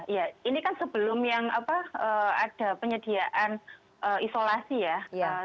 iya ini kan sebelum yang ada penyediaan isolasi ya